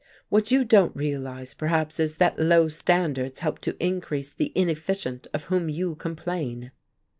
"What you don't realize, perhaps, is that low standards help to increase the inefficient of whom you complain."